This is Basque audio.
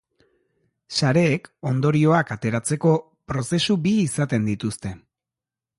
Sareek, ondorioak ateratzeko, prozesu bi izaten dituzte.